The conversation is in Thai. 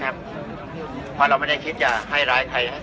ก็ไม่มีใครกลับมาเมื่อเวลาอาทิตย์เกิดขึ้น